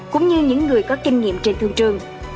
cũng như những người có kinh nghiệm trên thương trường